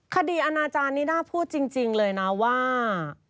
คดีอนิด้าพูดจริงเลยนะว่า